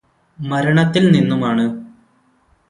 മരണത്തില് നിന്നുമാണ്